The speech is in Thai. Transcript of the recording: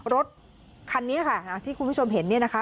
รถคันนี้ค่ะที่คุณผู้ชมเห็นเนี่ยนะคะ